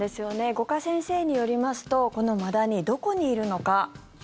五箇先生によりますとこのマダニ、どこにいるのか。